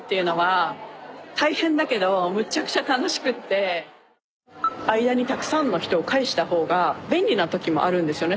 そうですね・やっぱ間にたくさんの人を介したほうが便利なときもあるんですよね